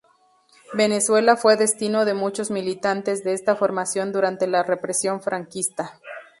Venezuela fue destino de muchos militantes de esta formación durante la represión franquista.